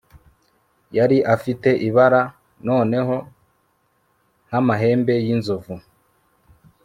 yari afite ibara noneho nk'amahembe y'inzovu